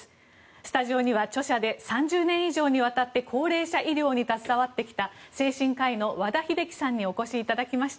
スタジオには著者で３０年以上にわたって高齢者医療に携わってきた精神科医の和田秀樹さんにお越しいただきました。